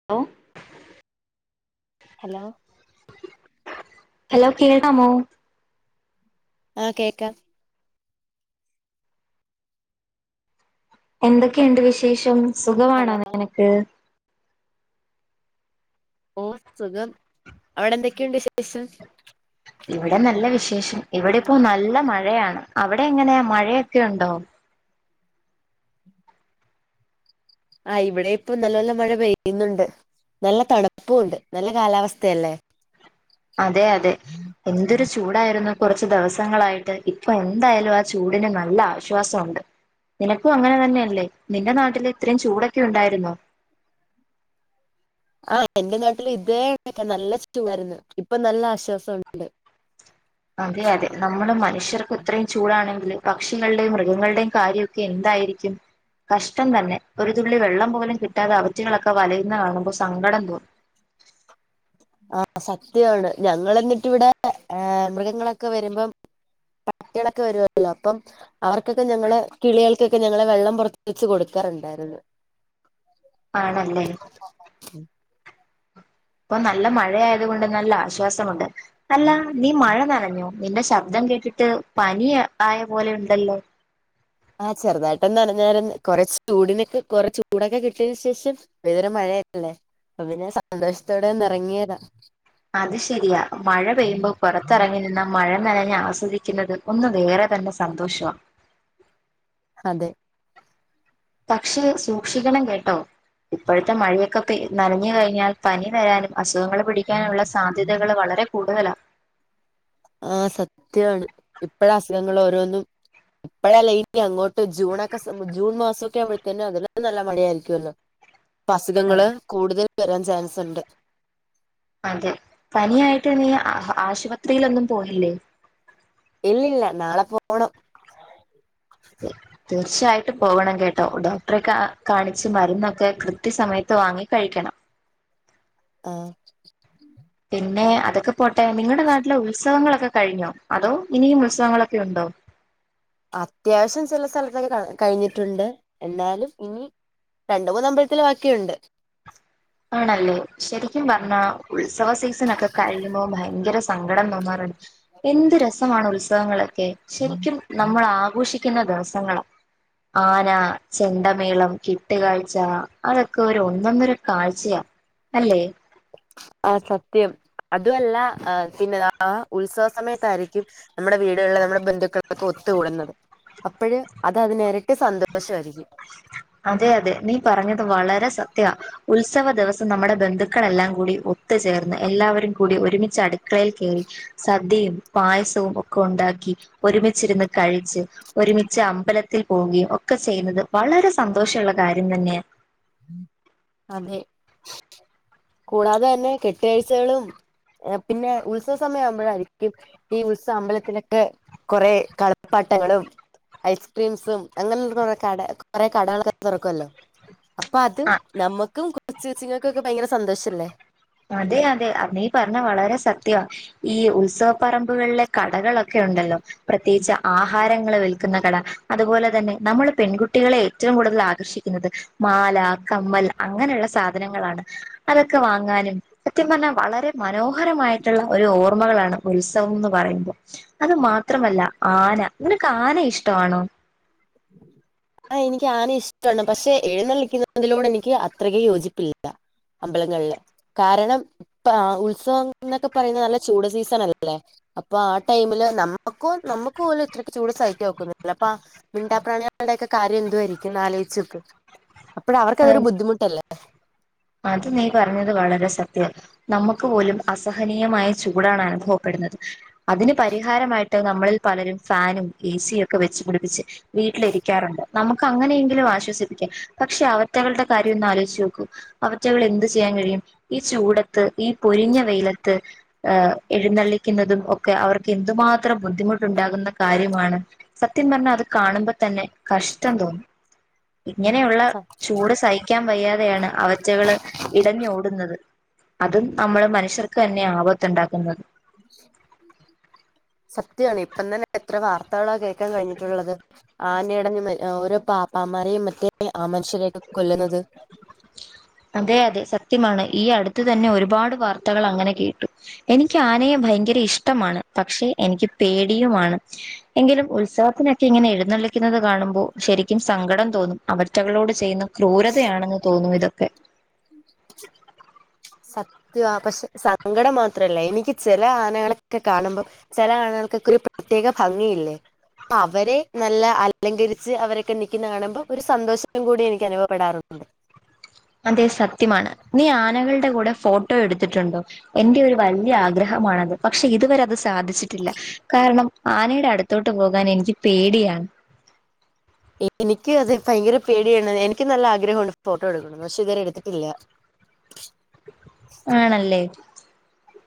[unintelligible] Hello hello കേൾക്കാമോ ആഹ് കേക്കാ എന്തെക്കെയിണ്ട് വിശേഷം സുഖവാണോ ഹലോ നിനക്ക് ഓഹ് സുഖം അവടെ എന്തൊക്കെയുണ്ട് വിശേഷം ഇവടെ നല്ല വിശേഷം ഇവടെ ഇപ്പോ നല്ല മഴയാണ്. അവടെ എങ്ങനെയാ മഴയെക്കെയുണ്ടോ ആ്ഹ് ഇവടി ഇപ്പം നല്ലോല്ല മഴ പെയ്യ്ന്ന്ണ്ട് നല്ല തണ്പ്പുണ്ട് നല്ല കാലാവസ്ഥയല്ലേ അതെ അതെ എന്തൊരു ചൂടായിര്ന്നു കൊറച്ച് ദെവസങ്ങളായിട്ട് ഇപ്പൊ എന്തായാലും ആ ചൂടിന് നല്ല ആശ്വാസൊവുണ്ട് നിനക്കും അങ്ങനെ തന്നെയല്ലേ നിന്റെ നാട്ടില് ഇത്രേം ചൂടൊക്കെ ഉണ്ടായിര്ന്നോ? ആഹ് എന്റെ നാട്ടിലു ഇതേ കണക്കാ നല്ല ചൂടായിര്ന്ന് ഇപ്പൊ നല്ല ആശ്വാസോണ്ട് അതെ അതെ നമ്മള് മനുഷ്യർക്ക് ഇത്രേം ചൂടാണെങ്കില് പക്ഷികൾടെം മൃഗങ്ങൾടെം കാര്യം ക്കെന്തായിരിക്കും കഷ്ടം തന്നെ ഒരു തുള്ളി വെള്ളം പോലും കിട്ടാതെ അവറ്റകളൊക്കെ വലയുന്ന കാണുമ്പോ സങ്കടം തോ- ആഹ് സത്യാണ് ഞങ്ങള് എന്നിട്ട് ഇവിടെ മൃഗങ്ങളൊക്കെ വരുമ്പം പട്ടികളൊക്കെ വരുല്ലോ അപ്പം അവർക്കൊക്കെ ഞങ്ങള് കിളികൾകൊക്കെ ഞങ്ങള് വെള്ളം പുറത്ത് വെച്ച് കൊട്ക്കാറുണ്ടായിരുന്നു ആണല്ലേ ഇപ്പൊ നല്ല മഴയായത് കൊണ്ട് നല്ല ആശ്വാസമുണ്ട് അല്ല.. നീ മഴ നനഞ്ഞോ? നിന്റെ ശബ്ദം കേട്ടിട്ട് പനി ആയ പോലെ ഉണ്ടല്ലോ? ആഹ് ചെറുതായിട്ടൊന്ന് നനഞാരുന്ന് കുറച്ച് ചൂടിനൊക്കെ കുറെചൂടൊക്കെ കിട്ടിയ ശേഷം ഇത് വരെമഴയല്ലേ അപ്പം പിന്നെ സന്തോഷത്തോടെ ഒന്നിറങ്ങിയതാ അത് ശരിയാ മഴ പെയ്യുമ്പോ പുറത്തെറങ്ങി നിന്ന മഴ നനഞ്ഞ് ആസ്വദിക്കുന്നത് ഒന്ന് വേറെ തന്നെ സന്തോഷവാ അതെ പക്ഷെ സൂക്ഷിക്കണം കേട്ടോ ഇപ്പോഴത്തെ മഴയൊക്കെ പൈ നനഞ്ഞ്കഴിഞ്ഞാൽ പനി വരാനും അസുഖങ്ങള് പിടിക്കാനുള്ള സാധ്യതകള് വളരെ കൂടുതലാ ആഹ് സത്യാണ് ഇപ്പഴ അസുഖങ്ങളോരോന്നും ഇപ്പഴല്ല ഇനി അങ്ങോട്ട് ജൂണക്കെ ജൂൺ മാസമൊക്കെ ആവുമ്പോഴ്ത്തേന് അതില് നല്ല മഴയാ യിരിക്കൊലോ [inaudible] ഇപ്പ അസുഖങ്ങള് കൂടുതൽ വരാൻ ചാൻസുണ്ട് അതെ പനിയായിട്ട് നീ അ.. അ.. ആശുപത്രിലൊന്നും പോയില്ലേ? ഇല്ലില്ല നാളെ പോണം [inaudible] തീർച്ചയായിട്ടും പോവണം കേട്ടോ ഡോക്ടറെ കാണിച്ച് മരുന്നൊക്കെ കൃത്യസമയത്ത് വാങ്ങി കഴിക്കണം ആഹ് പിന്നെ അതൊക്കെ പോട്ടെ നിങ്ങൾടെ നാട്ടിലെ ഉത്സവങ്ങളൊക്കെ കഴിഞ്ഞോ, അതോ ഇനിയും ഉത്സവങ്ങളൊക്കെയുണ്ടോ? അത്യാവശ്യം ചെല സ്ഥലത്തൊക്കെ കഴിഞ്ഞിട്ടുണ്ട് എന്നാലും ഇനി.. രണ്ട് മൂന്ന് അമ്പൽത്തില് ബാക്കിയുണ്ട്. ആണല്ലേ ശരിക്കും പറഞ്ഞാ ഉത്സവ സീസണൊക്കെ കഴിയുമ്പോ ഭയങ്കര സങ്കടം തോന്നാറുണ്ട്. എന്ത് രസമാണ് ഉത്സവങ്ങളൊക്കെ ശെരിക്കും നമ്മളാഘോഷിക്കുന്ന ദിവസങ്ങള.. ആന ചെണ്ടമേളം കെട്ടുകാഴ്ച അതൊക്കൊരു ഒന്നന്നൊരു കാഴ്ചയാ അല്ലേ? ആഹ് സത്യം. അതു അല്ല ആഹ് പിന്നെ ആഹ് ഉത്സവ സമയത്തായിരിക്കും നമ്മുടെ വീടുകളില് നമ്മുടെ ബന്ധുക്കളൊക്കെ ഒത്തുകൂടുന്നത്. അപ്പഴ് അത് അതിനെരട്ടി സന്തോഷായിരിക്കും. അതെ അതെ നീ പറഞ്ഞത് വളരെ സത്യ.. ഉത്സവ ദിവസം നമ്മുടെ ബന്ധുക്കളെല്ലാം കൂടി ഒത്തുചേർന്ന് എല്ലാവരും കൂടി ഒരുമിച്ച് അടുക്കളയിൽ കേറി സദ്യയും പായസോം ഒക്കെ ഉണ്ടാക്കി ഒരുമിച്ചിരുന്ന് കഴിച്ച് ഒരുമിച്ച് അമ്പലത്തിൽ പോവുകയും ഒക്കെ ചെയ്യുന്നത് വളരെ സന്തോഷം ഉള്ള കാര്യം തന്നെയാ അതെ കൂടാതെ തന്നെ കെട്ടുകാഴ്ചകളും.. പിന്നെ ഉത്സവസമയം ആവുമ്പോഴായിരിക്കും ഈ ഉത്സ അമ്പലത്തിലൊക്കെ കൊറെ കളിപ്പാട്ടങ്ങളും ഐസ്ക്രീംസും അങ്ങനുള്ള കുറേ കട കുറെ കടകളൊക്കെ തുറക്കു അല്ലോ അപ്പ അത് ആ നമ്മുക്കും കൊച്ച് കൊച്ചുങ്ങൾക്കൊക്കെ ഭയങ്കര സന്തോഷല്ലേ അതെ അതെ അത് നീ പറഞ്ഞ വളരെ സത്യമാ ഈ ഉത്സവപ്പറമ്പുകളിലെ കടകളൊക്കെ ഉണ്ടല്ലോ പ്രത്യേകിച്ച് ആഹാരങ്ങൾ വിൽക്കുന്ന കട. അതുപോലെ തന്നെ നമ്മള് പെൺകുട്ടികളെ ഏറ്റവും കൂടുതൽ ആകർഷിക്കും മാല കമ്മൽ അങ്ങനെയുള്ള സാധനങ്ങളാണ് അതൊക്കെ വാങ്ങാനും സത്യം പറഞ്ഞാ വളരെ മനോഹരമായിട്ടുള്ള ഒരു ഓർമ്മകളാണ് ഉത്സവം എന്ന് പറയുമ്പോൾ അത് മാത്രമല്ല ആന നിനക്ക് ആന ഇഷ്ടമാണോ ആഹ് എനിക്ക് ആന ഇഷ്ടാണ് പക്ഷെ എഴുന്നള്ളിക്കുന്നതിലൂടെ എനിക്ക് അത്രക യോജിപ്പില്ല അമ്പലങ്ങളില് കാരണം ഇപ്പ ഉത്സവം എന്നൊക്കെ പറയുന്നത് നല്ല ചൂട് സീസൺ അല്ലേ അപ്പൊ ആ ടൈമില് നമ്മുക്കും നമ്മുക്ക് പോലും ഇത്രക്ക് ചൂട് സഹിച്ച നോക്കുന്ന അപ്പ മിണ്ടാ പ്ര്രാണിയ അടെക്കെ കാര്യം എന്തു ആരിക്കും നാലഴച്ചക്ക് അപ്പഴ അവർക്ക് അതരു ബുദ്ധിമുട്ടല്ലേ അത് നീ പറഞ്ഞത് വളരെ സത്യ നമുക്ക് പോലും അസഹനീയമായ ചൂടാണ് അനുഭവപ്പെടുന്നത് അതിന് പരിഹാരമായിട്ട് നമ്മളിൽ പലരും ഫാനും എ സിയും ഒക്കെ വെച്ച് പിടിപ്പിച്ച് വീട്ടിലിരിക്കാറുണ്ട്. നമുക്ക് അങ്ങനെയെങ്കിലും ആശ്വസിപ്പിക്കാം പക്ഷെ അവറ്റകളുടെ കാര്യം ഒന്ന് ആലോചച്ച് നോക്കൂ അവറ്റകള് എന്ത് ചെയ്യാൻ കഴിയും ഈ ചൂടത്ത് ഈ പൊരിഞ്ഞ വെയിലത്ത് ഏഹ് എഴുന്നള്ളിക്കുന്നതും ഒക്കെ അവർക്ക് എന്തുമാത്രം ബുദ്ധിമുട്ടുണ്ടാകുന്ന കാര്യമാണ് സത്യം പറഞ്ഞാ അത് കാണുമ്പോ തന്നെ കഷ്ടം തോന്നും ഇങ്ങനെയുള്ള ചൂട് സഹിക്കാൻ വയ്യാതെയാണ് അവ അവറ്റകള് ഇടഞ് ഓടുന്നത് അതും നമ്മള് മനുഷ്യർക്ക് തന്നെ ആപത്തുണ്ടാക്കുന്നത് സത്യാണ്. ഇപ്പം തന്നെ എത്ര വാർത്തകളാ കേക്കാൻ കഴിഞ്ഞിട്ടുള്ളത് ആന ഇടഞ് മാര് ഓരോ പാപ്പാമാരെയും മറ്റേ ആ മനുഷ്യരക്കെ കൊല്ലുന്നത് അതെ അതെ സത്യമാണ്. ഈ അടുത്ത് തന്നെ ഒരുപാട് വാർത്തകൾ അങ്ങനെ കേട്ടു എനിക്ക് ആനയെ ഭയങ്കര ഇഷ്ടമാണ്. പക്ഷെ എനിക്ക് പേടിയുമാണ് എങ്കിലും ഉത്സവത്തിനൊക്കെ ഇങ്ങനെ എഴുന്നള്ളിക്കുന്നത് കാണുമ്പോ ശരിക്കും സങ്കടം തോന്നും അവർറ്റകളോട് ചെയ്യുന്ന ക്രൂരതയാണെന്ന് തോന്നും ഇതൊക്കെ സത് ത്യ പക്ഷെ സങ്കടം മാത്രല്ല എനിക്ക് ചെല ആനകളൊക്കെ കാണുമ്പം ചെല ആനകൾക്കൊക്ക ഒരു പ്രത്യേക ഭംഗിയില്ലേ അവരെ നല്ല അലങ്കരിച്ച് അവരൊക്കെ നിക്കുന്ന കാണുമ്പോ ഒരു സന്തോഷം കൂടി എനിക്ക് അനുഭവപ്പെടാറുണ്ട് അതെ സത്യമാണ്. നീ ആനകളുടെ കൂടെ ഫോട്ടോ എടുത്തിട്ടുണ്ടോ എന്റെ ഒരു വലിയ ആഗ്രഹമാണത്. പക്ഷെ ഇതുവരെ അത് സാധിച്ചിട്ടില്ല കാരണം ആനയുടെ അടുത്തോട്ട് പോകാൻ എനിക്ക് പേടിയാണ് എൻ എനിക്ക് അത് ഭയങ്കര പേടിയാണ് എനിക്ക് നല്ല ആഗ്രഹുണ്ട് ഫോട്ടോ എടുക്കുന്നത് പക്ഷെ ഇതുവരെ എടുത്തിട്ടില്ല ആണല്ലേ.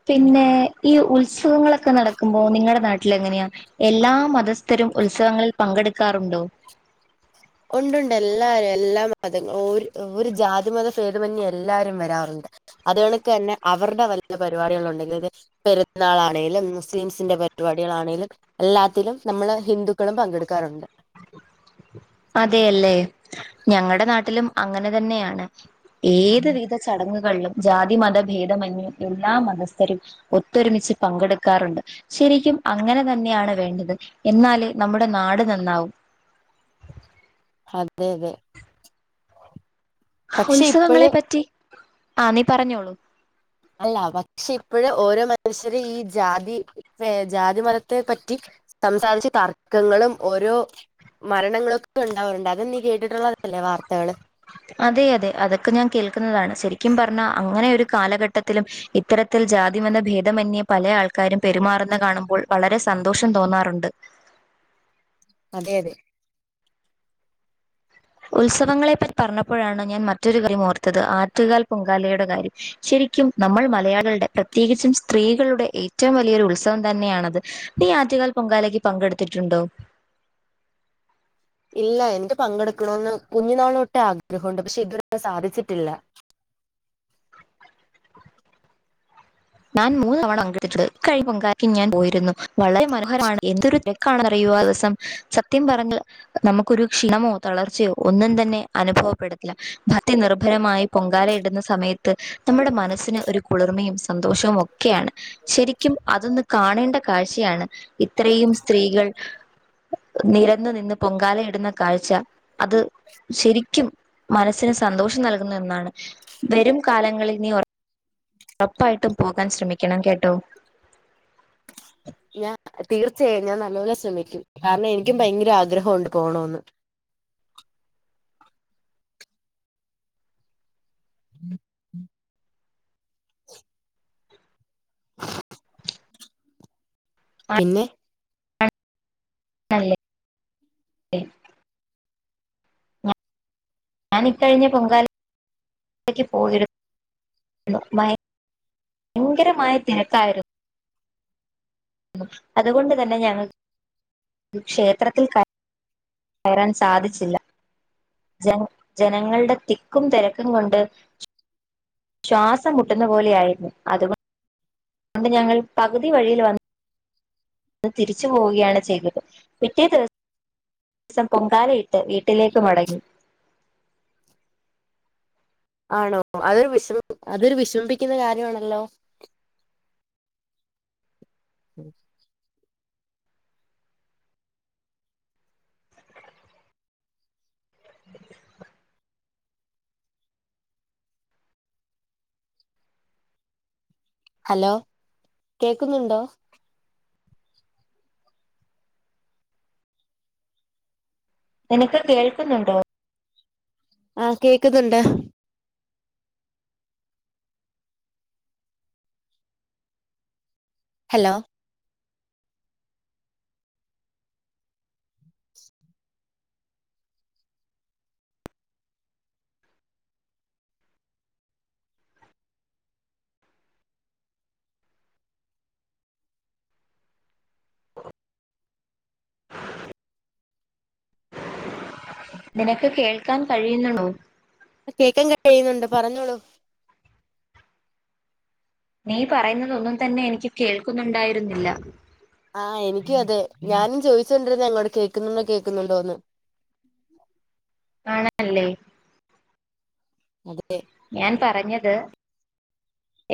പിന്നേ ഈ ഉത്സവങ്ങളൊ ക്കെ നടക്കുമ്പോ നിങ്ങളുടെ നാട്ടിൽ എങ്ങനെയാ എല്ലാ മതസ്ഥരും ഉത്സവങ്ങളിൽ പങ്കെടുക്കാറുണ്ടോ ഒണ്ട് ഉണ്ട് എല്ലാരും എല്ലാ മതങ്ങൾ ഓരു ഓരു ജാതി മത ഭേതമന്യെ എല്ലാരും വരാറുണ്ട് അതുകൾക്ക് തന്നെ അവരുടെ വല്ല പരിപാടികൾ ഉണ്ടെങ്കിൽത് പെരുന്നാൾ ആണേലും മുസ്ലിംസിന്റെ പരിപാടികളാണെങ്കിലും എല്ലാത്തിലും നമ്മള് ഹിന്ദുക്കളും പങ്കെടുക്കാറുണ്ട് അതെയല്ലേ ഞങ്ങളുടെ നാട്ടിലും അങ്ങനെ തന്നെയാണ് ഏത് വിധ സ് ചടങ്ങുകളിലും ജാതി മത ഭേദമന്യ എല്ലാ മതസ്ഥരും ഒത്തൊരുമിച്ച് പങ്കെടുക്കാറുണ്ട് ശരിക്കും അങ്ങനെ തന്നെയാണ് വേണ്ടത്. എന്നാലെ നമ്മുടെ നാട് നന്നാവു അതെ അതെ പക്ഷെ ഇപ്പോഴ് ഉത്സവങ്ങളെ പറ്റി ആ നീ പറഞ്ഞോളൂ അല്ല പക്ഷെ ഇപ്പോഴ ഓരോ മനുഷ്യരും ഈ ജാതി ജാതി മതത്തെ പറ്റി സംസാരിച്ച് തർക്കങ്ങളും ഓരോ മരണങ്ങളൊക്കെ ഉണ്ടാവറുണ്ട് അത് നീ കേട്ടിട്ടുള്ളതല്ലേ വാർത്തകള് അതെ അതെ അതൊക്കെ ഞാൻ കേൾക്കുന്നതാണ് ശരിക്കും പറഞ്ഞാൽ അങ്ങനെ ഒരു കാലഘട്ടത്തിലും ഇത്തരത്തിൽ ജാതിമെന്ന ഭേദമന്യേ പല ആൾക്കാരും പെരുമാറുന്ന കാണുമ്പോൾ വളരെ സന്തോഷം തോന്നാറുണ്ട് അതെ അതെ ഉത്സവങ്ങളെപ്പറ്റി പറഞ്ഞപ്പോഴാണ് ഞാൻ മറ്റൊരു കാര്യം ഓർത്തത് ആറ്റുകാൽ പൊങ്കാലയുടെ കാര്യം ശരിക്കും നമ്മൾ മലയാളികളുടെ പ്രത്യേകിച്ചും സ്ത്രീകളുടെ ഏറ്റവും വലിയൊരു ഉത്സവം തന്നെയാണത് നീ ആറ്റുകാൽ പൊങ്കാലക്ക് പങ്കെടുത്തിട്ടുണ്ടോ? ഇല്ല എനിക്ക് പങ്കെടുക്കണന്ന് കുഞ്ഞുനാളൊട്ടെ ആഗ്രഹണ്ട് പക്ഷെ ഇതുവരെ സാധിച്ചിട്ടില്ല ഞാൻ മൂന്ന് തവണ പങ്കെടുത് കഴി പൊങ്കാലക്ക് ഞാൻ പോയിരുന്നു വളരെ മനോഹരമാണ് എന്തൊരു തെരക്കാണ് അറിയോ ആ ദിവസം സത്യം പറഞ്ഞ നമുക്കൊരു ക്ഷീണമോ തളർച്ചയോ ഒന്നും തന്നെ അനുഭവപ്പെടുത്തില്ല ഭക്തി നിർഭരമായി പൊങ്കാല ഇടുന്ന സമയത്ത് നമ്മുടെ മനസ്സിന് ഒരു കുളിർമയും സന്തോഷം ഒക്കെയാണ് ശരിക്കും അതൊന്ന് കാണേണ്ട കാഴ്ചയാണ്. ഇത്രയും സ്ത്രീകൾ നിരന്ന് നിന്ന് പൊങ്കാല ഇടുന്ന കാഴ്ച അത് ശരിക്കും മനസ്സിന് സന്തോഷം നൽകുന്ന ഒന്നാണ് വരും കാലങ്ങളിൽ നീ ഉറപ്പായിട്ടും പോകാൻ ശ്രമിക്കണം കേട്ടോ ഞാൻ തീർച്ചയായും ഞാൻ നല്ലപോലെ ശ്രമിക്കും കാരണം എനിക്കും ഭയങ്കര ആഗ്രഹണ്ട് പോണോന്ന് ഉ പിന്നെ ആണല്ലേ ഞാൻ ഇക്കഴിഞ്ഞ പൊങ്കാല പോയിരുന്നു ഭയങ്കരമായ തിരക്കായിരുന്നു അതുകൊണ്ട് തന്നെ ഞങ്ങൾ ക്ഷേത്രത്തിൽ ക കയറാൻ സാധിച്ചില്ല ജന ജനങ്ങളുടെ തിക്കും തിരക്കും കൊണ്ട് ശ്വാസം മുട്ടുന്ന പോലെ ആയിരുന്നു അതുകൊണ്ട് ഞങ്ങൾ പകുതി വഴിയിൽ വന്ന് തിരിച്ചു പോവുകയാണ് ചെയ്തത് പിറ്റേ ദി വസം പൊങ്കാലയിട്ട് വീട്ടിലേക്ക് മടങ്ങി ആണോ അതൊരു വിഷ അതൊരു വിഷമിപ്പിക്കുന്ന കാര്യണല്ലോ ഉം [inaudible] ഹലോ കേക്കുന്നുണ്ടോ നിനക്ക് കേൾക്കുന്നുണ്ടോ ആഹ്‌ കേക്കുന്നുണ്ട് ഹലോ നിനക്ക് കേൾക്കാൻ കഴിയുന്നുണ്ടോ കേക്കാൻ കഴിയുന്നുണ്ട് പറഞ്ഞോളൂ നീ പറയുന്നതൊന്നും തന്നെ എനിക്ക് കേൾക്കുന്നുണ്ടായിരുന്നില്ല ആഹ് എനിക്കും അതെ ഞാനും ചോദിച്ചോണ്ടിരുന്ന ഇങ്ങോട് കേക്കുന്നുണ്ടോ കേൾക്കുന്നുണ്ടോന്ന് ആണല്ലേ അതെ ഞാൻ പറഞ്ഞത്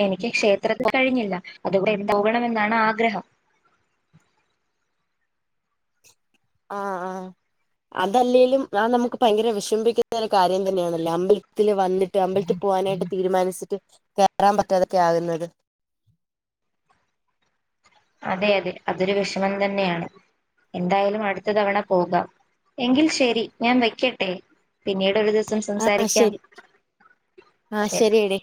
എനിക്ക് ക്ഷേത്രത്തിൽ കഴിഞ്ഞില്ല അതുകൂടെ പോകണമെന്ന് - താണ് ആഗ്രഹം ആഹ് ആഹ്‌ അതല്ലേലും ആ നമുക്ക് ഭയങ്കര വിഷമിക്കുന്ന ഒരു കാര്യം തന്നെയണല്ലേ അമ്പലത്തിൽ വന്നിട്ട് അമ്പലത്തിൽ പോകാനായിട്ട് തീരുമാനിച്ചിട്ട് കേറാൻ പറ്റാതൊക്കെ ആകുന്നത് അതെ അതെ അതൊരു വിഷമം തന്നെയാണ് എന്തായാലും അടുത്ത തവണ പോകാം എങ്കിൽ ശരി ഞാൻ വെക്കട്ടെ പിന്നീടൊരു ദിവസം ആ സംസാരിക്കാം ശരി ആ ശരി ശരിയടി